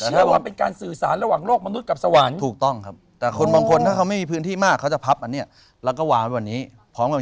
แล้วอย่างหงต้องเผาไว้ด้วยไหมครับ